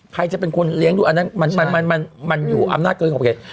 ใครจะเป็นคนเลี้ยงดูอันนั้นมันอยู่อำนาจเกินขอบเขต